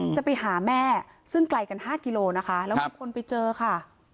จะไปหาแม่ซึ่งไกลกัน๕กิโลนะคะแล้วมีคนไปเจอค่ะ